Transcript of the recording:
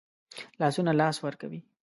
لاسونه لاس ورکوي